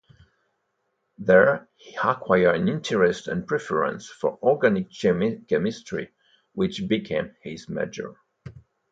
There he acquired an interest and preference for organic chemistry, which became his major.